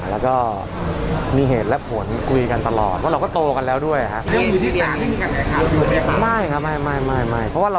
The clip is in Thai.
แล้วก็มีเหตุแน็กผล